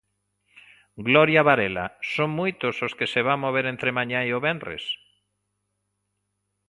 Gloria Varela, son moitos os que se van mover entre mañá e o venres?